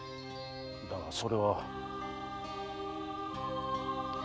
だがそれは。